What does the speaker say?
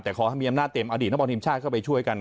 แต่ขอให้มีอำนาจเต็มอดีตนักบอลทีมชาติเข้าไปช่วยกัน